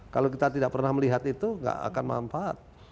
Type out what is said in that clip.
kalau kita tidak pernah melihat itu nggak akan manfaat